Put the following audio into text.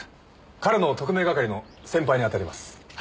彼の特命係の先輩にあたります。